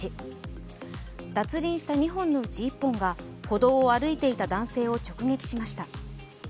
脱輪した２本のうち１本が歩道を歩いていた男性を直撃しました。